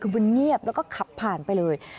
คือมันเงียบแล้วก็ขับผ่านไปเลย